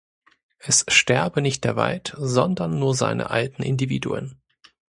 Es sterbe nicht der Wald, sondern nur seine alten Individuen.